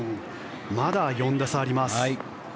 まだ４打差あります。